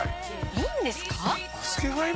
「いいんですか？